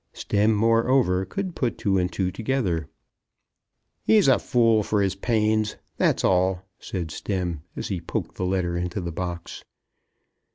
Stemm, moreover, could put two and two together. "He's a fool for his pains; that's all," said Stemm, as he poked the letter into the box.